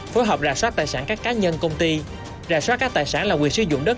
phối hợp rạt sát tài sản các cá nhân công ty rà soát các tài sản là quyền sử dụng đất